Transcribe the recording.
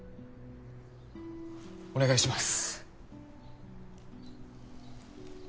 お願いします